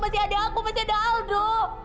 masih ada aku masih ada aldo